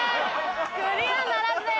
クリアならずです。